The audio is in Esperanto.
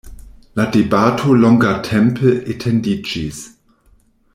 La debato longatempe etendiĝis.